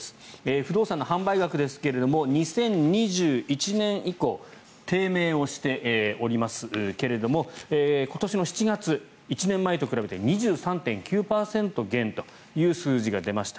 不動産の販売額ですが２０２１年以降低迷をしておりますけれども今年７月、１年前と比べて２３．９％減という数字が出ました。